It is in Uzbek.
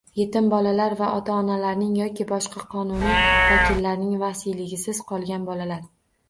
Yetim bolalar va ota-onalarining yoki boshqa qonuniy vakillarining vasiyligisiz qolgan bolalar